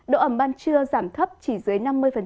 độ ẩm ban trưa giảm thấp chỉ dưới năm mươi